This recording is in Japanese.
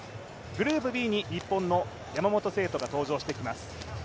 グループＢに日本の山本聖途が登場してきます。